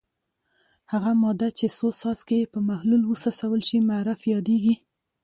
هغه ماده چې څو څاڅکي یې په محلول وڅڅول شي معرف یادیږي.